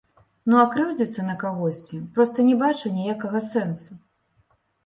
Ну а крыўдзіцца на кагосьці проста не бачу ніякага сэнсу.